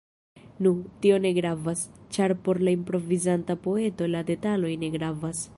Nu, tio ne gravas, ĉar por la improvizanta poeto la detaloj ne gravas.